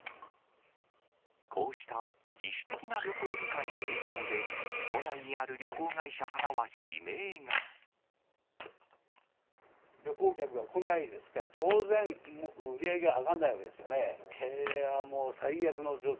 こうした自主的な旅行控えの影響で、都内にある旅行会社からは悲旅行客が来ないですから、当然、売り上げが上がらないわけですよね。